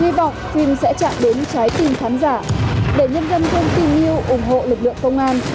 hy vọng phim sẽ chạm đến trái tim khán giả để nhân dân thêm tin yêu ủng hộ lực lượng công an